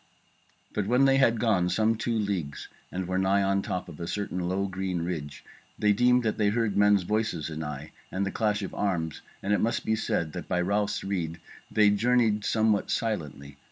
But when they had gone some two leagues, and were nigh on top of a certain low green ridge, they deemed that they heard men's voices anigh and the clash of arms; and it must be said that by Ralph's rede they journeyed somewhat silently.